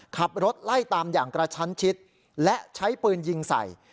ขับรถไล่ตามอย่างกระชั้นชิดและใช้ปืนยิงใส่